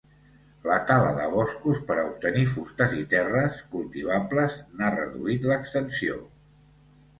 La tala de boscos per a obtenir fusta i terres cultivables n'ha reduït l'extensió.